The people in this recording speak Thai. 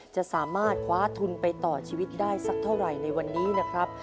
จะสามารถคว้าทุนไปต่อชีวิตได้สักเท่าไหร่ในวันนี้นะครับ